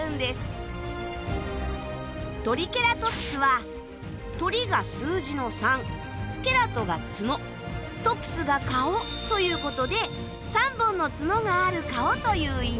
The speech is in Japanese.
トリケラトプスはトリが数字の３ケラトが角トプスが顔ということで３本の角がある顔という意味。